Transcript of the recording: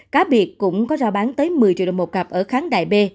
cá biệt cũng có rao bán tới một mươi triệu đồng một cặp ở kháng đại b